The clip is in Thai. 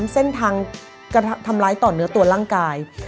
เส้นทางกระทำร้ายต่อเนื้อตัวร่างกาย